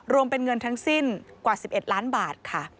รวมเป็นเงินทั้งสิ้นกว่า๑๑ล้านบาทค่ะ